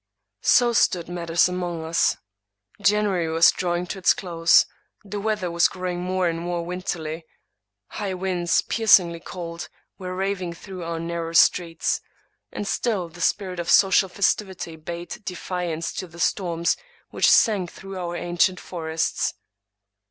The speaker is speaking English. So stood matters among us. January was drawing to its close; the weather was growing more and more win terly ; high winds, piercingly cold, were raving through our narrow streets; and still the spirit of social festivity bade defiance to the storms which sang through our ancient forests.